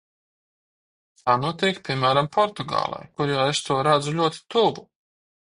Tā notiek, piemēram, Portugālē, kurā es to redzu ļoti tuvu.